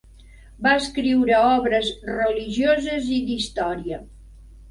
Va escriure obres religioses i d'història.